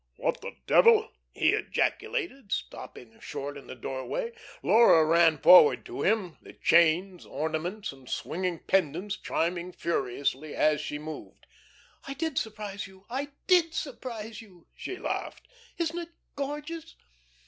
"What the devil!" he ejaculated, stopping short in the doorway. Laura ran forward to him, the chains, ornaments, and swinging pendants chiming furiously as she moved. "I did surprise you, I did surprise you," she laughed. "Isn't it gorgeous?"